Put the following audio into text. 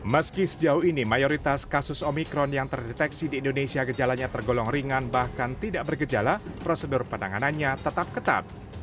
meski sejauh ini mayoritas kasus omikron yang terdeteksi di indonesia gejalanya tergolong ringan bahkan tidak bergejala prosedur penanganannya tetap ketat